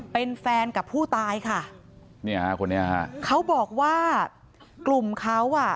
เป็นแฟนกับผู้ตายค่ะเขาบอกว่ากลุ่มเขาอ่ะ